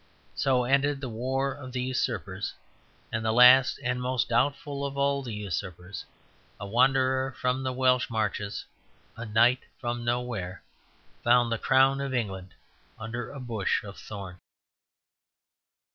So ended the war of the usurpers; and the last and most doubtful of all the usurpers, a wanderer from the Welsh marches, a knight from nowhere, found the crown of England under a bush of thorn.